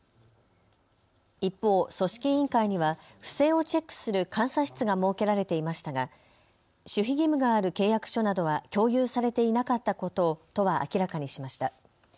一方、組織委員会には不正をチェックする監査室が設けられていましたが守秘義務がある契約書などは共有されていなかったことを都は明らかにしました。